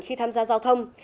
khi tham gia giao thông